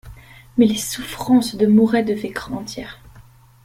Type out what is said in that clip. Mais les souffrances de Mouret devaient grandir.